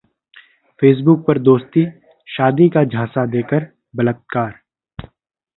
Facebook पर दोस्ती, शादी का झांसा देकर बलात्कार